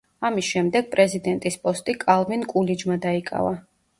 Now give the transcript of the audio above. ამის შემდეგ პრეზიდენტის პოსტი კალვინ კულიჯმა დაიკავა.